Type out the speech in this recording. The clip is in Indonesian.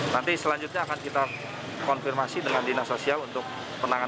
nanti selanjutnya akan kita konfirmasi dengan dinas sosial untuk penanganan